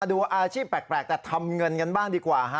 ดูอาชีพแปลกแต่ทำเงินกันบ้างดีกว่าฮะ